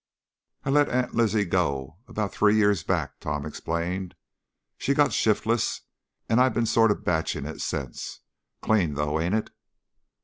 "I let Aunt Lizzie go 'bout three years back," Tom explained. "She got shiftless and I been sort of batching it since. Clean, though, ain't it?"